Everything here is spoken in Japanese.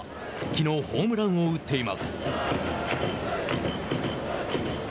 きのうホームランを打っています。